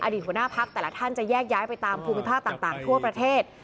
หัวหน้าพักแต่ละท่านจะแยกย้ายไปตามภูมิภาคต่างทั่วประเทศ